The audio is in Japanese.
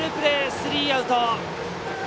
スリーアウト。